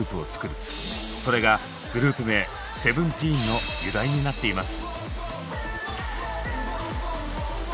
それがグループ名「ＳＥＶＥＮＴＥＥＮ」の由来になっています。